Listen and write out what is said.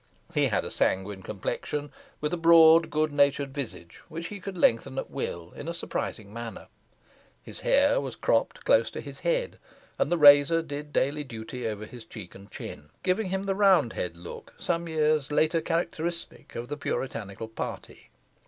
He had a sanguine complexion, with a broad, good natured visage, which he could lengthen at will in a surprising manner. His hair was cropped close to his head, and the razor did daily duty over his cheek and chin, giving him the roundhead look, some years later, characteristic of the Puritanical party.